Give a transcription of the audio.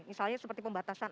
misalnya seperti pembatasan akun